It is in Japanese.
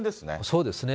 そうですね。